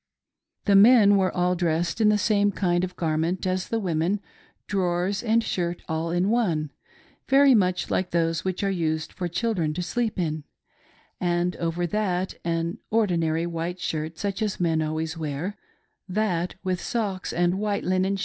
The men were all dtessed in the same kind of gar ment as the women:' — drawers and shirt all in one ^ very much like those which are iised fof children to sleep in—' and over that an ordinary white shirt, such as men always wear; — that, with socks and white linen.